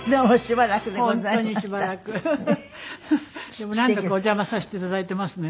でも何度かお邪魔させて頂いていますのよね